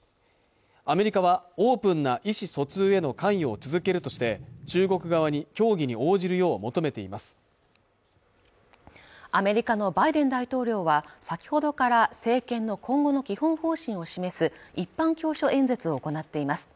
アメリカはオープンな意思疎通への関与を続けるとして中国側に協議に応じるよう求めていますアメリカのバイデン大統領は先ほどから政権の今後の基本方針を示す一般教書演説を行っています